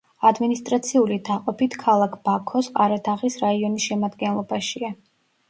ადმინისტრაციული დაყოფით ქალაქ ბაქოს ყარადაღის რაიონის შემადგენლობაშია.